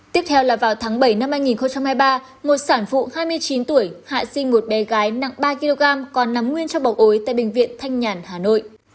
tiếp theo là vào tháng bảy năm hai nghìn hai mươi ba một sản phụ hai mươi chín tuổi hạ sinh một bé gái nặng ba kg còn nắm nguyên trong bầu ối tại bệnh viện thanh nhàn hà nội